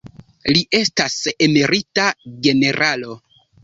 Li estas emerita generalo.